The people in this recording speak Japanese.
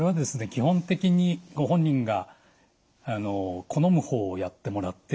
基本的にご本人が好む方をやってもらって構いません。